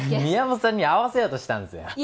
宮本さんに合わせようとしたんですよ